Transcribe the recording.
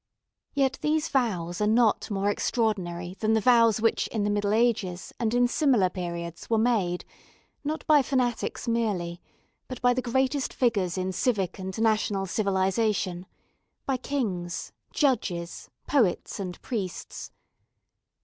Yet these vows are not more extraordinary than the vows which in the Middle Ages and in similar periods were made, not by fanatics merely, but by the greatest figures in civic and national civilization by kings, judges, poets, and priests.